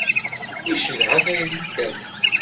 Icedha tayri n tala.